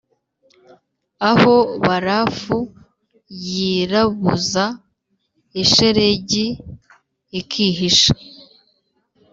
aho barafu yirabuza, ishelegi ikihisha,